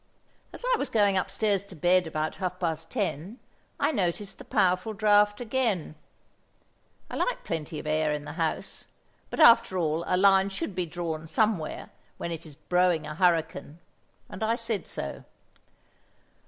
As I was going upstairs to bed about half past ten, I noticed the powerful draught again. I like plenty of air in the house, but after all a line should be drawn somewhere when it is blowing a hurricane, and I said so.